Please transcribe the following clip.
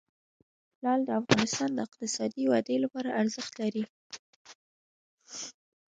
لعل د افغانستان د اقتصادي ودې لپاره ارزښت لري.